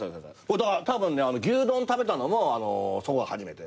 たぶんね牛丼食べたのもそこが初めて。